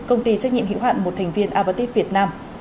công ty trách nhiệm hữu hạn một thành viên avatit việt nam